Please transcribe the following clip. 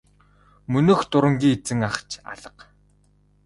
Мөнөөх дурангийн эзэн ах ч алга.